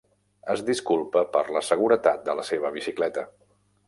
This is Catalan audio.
Es disculpa per la seguretat de la seva bicicleta.